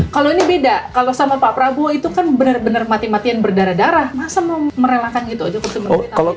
kalau ini beda kalau sama pak prabowo itu kan benar benar mati matian berdarah darah masa mau merelakan itu aja sih sebenarnya